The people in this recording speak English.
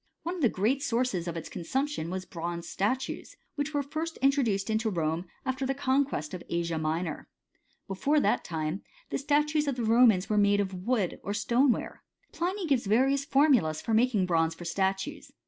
One of the great sources of consumption was bronze statues, which were first introduced into Rome after the con quest of Asia Minor. Before that time, the statues of the Romans were made of wood or stoneware. Pliny gives various formulas for making bronze for statues.